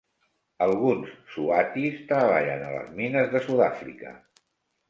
Alguns swatis treballen a les mines de Sudàfrica.